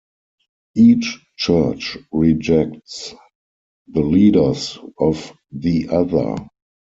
Each church rejects the leaders of the other.